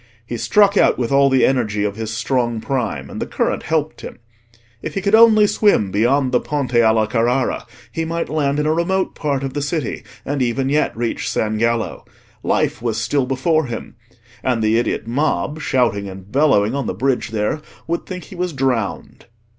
He struck out with all the energy of his strong prime, and the current helped him. If he could only swim beyond the Ponte alla Carrara he might land in a remote part of the city, and even yet reach San Gallo. Life was still before him. And the idiot mob, shouting and bellowing on the bridge there, would think he was drowned.